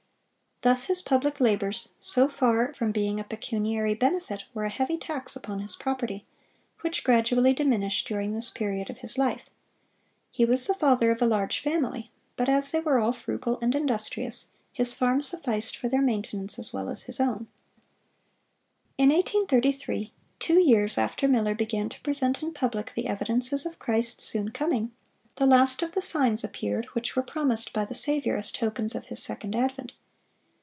Thus his public labors, so far from being a pecuniary benefit, were a heavy tax upon his property, which gradually diminished during this period of his life. He was the father of a large family, but as they were all frugal and industrious, his farm sufficed for their maintenance as well as his own. In 1833, two years after Miller began to present in public the evidences of Christ's soon coming, the last of the signs appeared which were promised by the Saviour as tokens of His second advent.